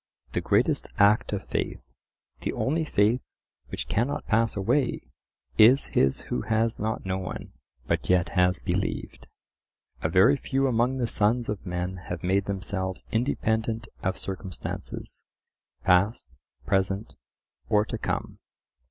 The greatest act of faith, the only faith which cannot pass away, is his who has not known, but yet has believed. A very few among the sons of men have made themselves independent of circumstances, past, present, or to come.